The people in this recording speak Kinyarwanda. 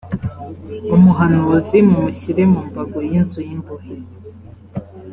umuhanuzi mu mushyire mu mbago y’inzu y’ imbohe.